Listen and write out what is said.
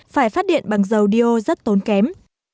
phải phát điện bằng dầu đi ô rất tốn kém